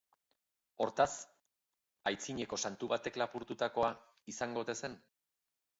Hortaz, aitzineko Santu batek lapurtutakoa izango ote zen?